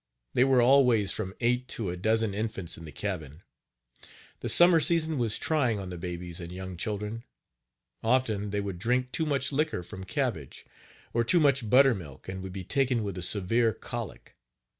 They were always from eight to a dozen infants in the cabin. The summer season was trying on the babies and young children. Often they would drink too much liquor from cabbage, or too much buttermilk, and would be taken with a severe colic.